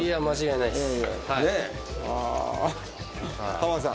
浜田さん。